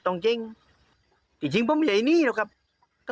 ลูกก้า